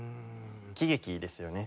喜劇ですよね。